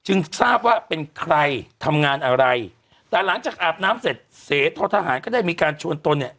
ทราบว่าเป็นใครทำงานอะไรแต่หลังจากอาบน้ำเสร็จเสธทหารก็ได้มีการชวนตนเนี่ย